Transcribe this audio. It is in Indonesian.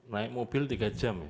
naik mobil tiga jam ya